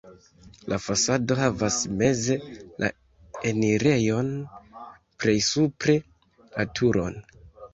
La fasado havas meze la enirejon, plej supre la turon.